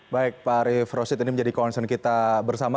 baik pak arief roshid ini menjadi concern kita bersama